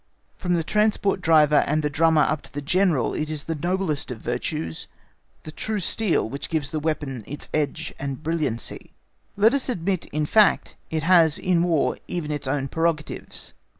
From the transport driver and the drummer up to the General, it is the noblest of virtues, the true steel which gives the weapon its edge and brilliancy. Let us admit in fact it has in War even its own prerogatives.